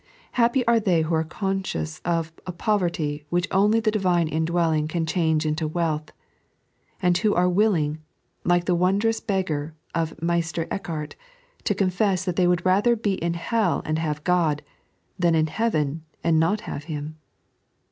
Happy are they who are conscious of a poverty which only the Divine indwelling can change into wealth, and who are willing, like the wondrous beggar of Meister Eckbart, to confess that they would rather be in hell and have Ood, than in heaven and not have Him.